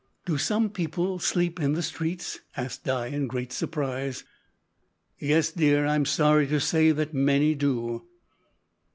"Do some people sleep in the streets?" asked Di in great surprise. "Yes, dear, I'm sorry to say that many do."